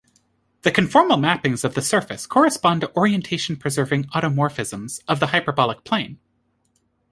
The conformal mappings of the surface correspond to orientation-preserving automorphisms of the hyperbolic plane.